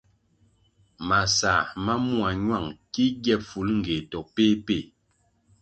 Masãh ma mua ñuáng ki gie bifulngéh to péh péh.